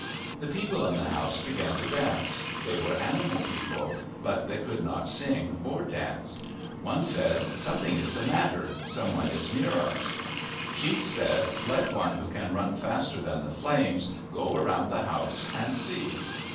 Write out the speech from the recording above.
The people in the house began to dance. They were animal people. But they could not sing or dance. One said, " Something is the matter. Some one is near us." Chief said, " Let one who can run faster than the flames go around the house and see."